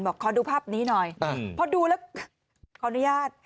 ขอดูภาพนี้หน่อยพอดูแล้วขออนุญาต